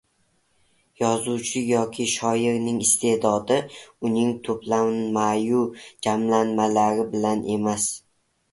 Yozuvchi yoki shoirning iste’dodi uning to‘planmayu jamlanmalari bilan emas